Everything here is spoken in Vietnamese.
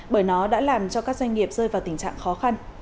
bởi nó đã làm cho các doanh nghiệp rơi vào tình trạng khó khăn